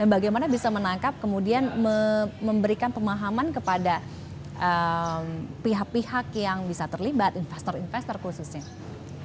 bagaimana bisa menangkap kemudian memberikan pemahaman kepada pihak pihak yang bisa terlibat investor investor khususnya